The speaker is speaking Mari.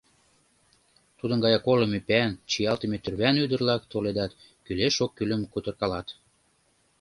Тудын гаяк олым ӱпан, чиялтыме тӱрван ӱдыр-влак толедат, кӱлеш-оккӱлым кутыркалат.